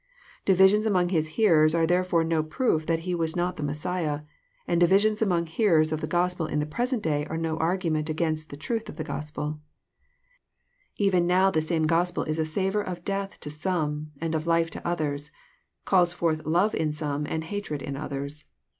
Divisions among His hearers are therefore no proof that He was not the Messiah, and divisions among hearers of the Gospel in the present day are no argument against the truth of the GospeL Even now the same Gospel is a savour of death to some, and of life to others, calls forth love in some, and hatred in others.